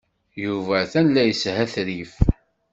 Yuba atan la yeshetrif.